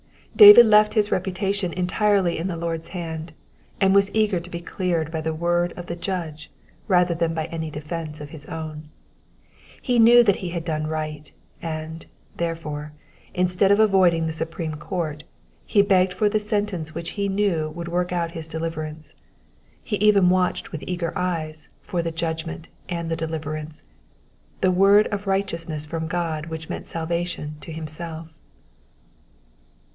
David left his reputation entirely in the Lord's hand, and was eager to be cleared by the word of the Judge rather than by any defence of his own. He knew that he had done right, and, therefore, instead of avoiding the supreme court, he begged for the sentence which he knew would work out his de liverance. He even watched with eager eyes for the judgment and the deliverance, the word of righteousness from God which meant salvation to himself.